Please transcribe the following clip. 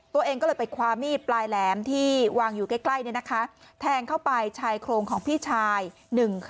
ซึ่งที่ซึ่งที่ซึ่งที่ซึ่งที่ซึ่งที่ซึ่งที่ซึ่งที่ซึ่งที่